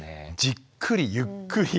じっくりゆっくり。